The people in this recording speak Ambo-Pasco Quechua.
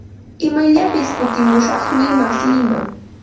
Imayllapis kutimushaqmi wasiiman.